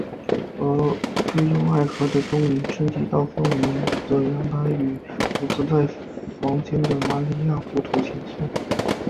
而坠入爱河的东尼趁机到后门的阳台上与独自在房间的玛利亚互吐情愫。